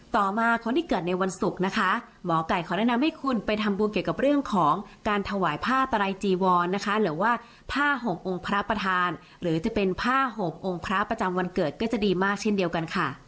ต่อมาคนที่เกิดในวันศุกร์นะคะหมอไก่ขอแนะนำให้คุณไปทำบุญเกี่ยวกับเรื่องของการถวายผ้าไตรจีวรนะคะหรือว่าผ้าห่มองค์พระประธานหรือจะเป็นผ้าห่มองค์พระประจำวันเกิดก็จะดีมากเช่นเดียวกันค่ะ